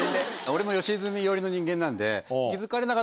俺も吉住寄りの人間なんで。